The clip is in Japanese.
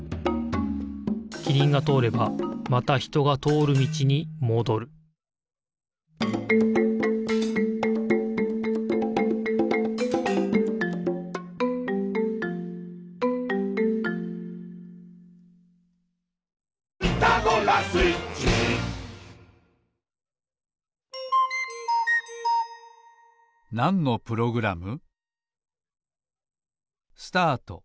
キリンがとおればまたひとがとおるみちにもどるなんのプログラム？